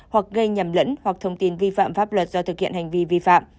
hoặc gây nhầm lẫn hoặc thông tin vi phạm pháp luật do thực hiện hành vi vi phạm